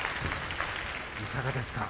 いかがですか？